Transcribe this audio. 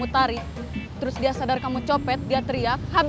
frente dimana kok diputarkannya